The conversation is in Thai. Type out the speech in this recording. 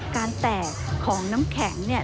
การแตกของน้ำแข็ง